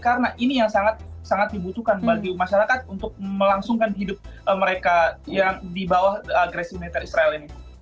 karena ini yang sangat sangat dibutuhkan bagi masyarakat untuk melangsungkan hidup mereka yang di bawah agresi neta israel ini